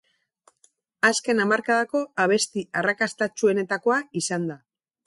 Azken hamarkadako abesti arrakastatsuenetakoa izan da.